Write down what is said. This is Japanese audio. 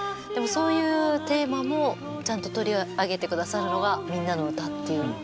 でもそういうテーマもちゃんと取り上げて下さるのが「みんなのうた」っていう。